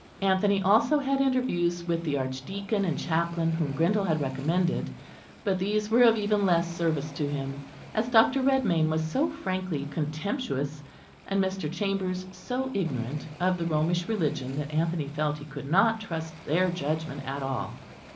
Anthony also had interviews with the Archdeacon and chaplain whom Grindal had recommended; but these were of even less service to him, as Dr. Redmayn was so frankly contemptuous, and Mr. Chambers so ignorant, of the Romish religion that Anthony felt he could not trust their judgment at all.